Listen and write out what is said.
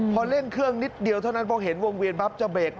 พอเร่งเครื่องนิดเดียวเท่านั้นพอเห็นวงเวียนปั๊บจะเบรก